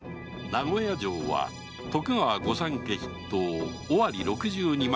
名古屋城は徳川御三家筆頭尾張六十二万